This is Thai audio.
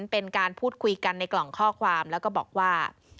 เป็นการพูดคุยกันในกล่องข้อความแล้วก็บอกว่า